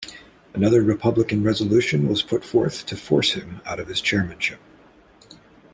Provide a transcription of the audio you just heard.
Another Republican resolution was put forth to force him out of his chairmanship.